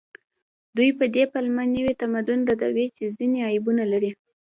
دوی په دې پلمه نوي تمدن ردوي چې ځینې عیبونه لري